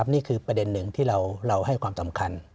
นี่คือประเด็นหนึ่งที่เราให้ความสำคัญ